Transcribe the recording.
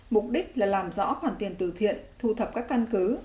mục đích là làm rõ khoản tiền tử thiện thu thập các căn cứ